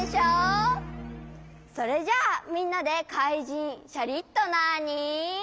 それじゃあみんなでかいじんシャリットナに。